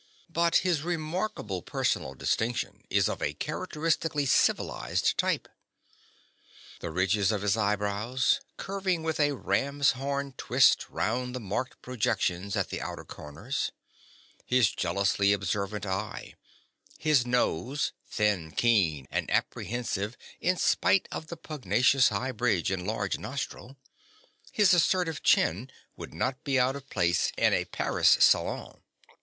But his remarkable personal distinction is of a characteristically civilized type. The ridges of his eyebrows, curving with a ram's horn twist round the marked projections at the outer corners, his jealously observant eye, his nose, thin, keen, and apprehensive in spite of the pugnacious high bridge and large nostril, his assertive chin, would not be out of place in a Paris salon.